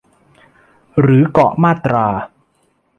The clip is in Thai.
หรือเกาะมาตรา